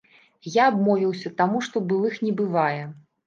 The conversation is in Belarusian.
Я абмовіўся, таму што былых не бывае.